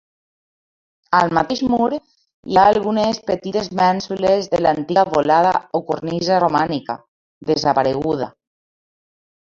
Al mateix mur hi ha algunes petites mènsules de l'antiga volada o cornisa romànica, desapareguda.